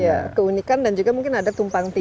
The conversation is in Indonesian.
ya keunikan dan juga mungkin ada tumpang tindi